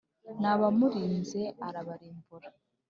n'abamurinze arabarimbura.